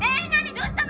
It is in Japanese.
どうしたの！？